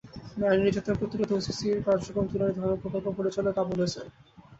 নারী নির্যাতন প্রতিরোধে ওসিসির কার্যক্রম তুলে ধরেন প্রকল্প পরিচালক আবুল হোসেন।